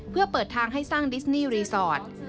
เพื่อเปิดทางให้สร้างดิสนี่รีสอร์ท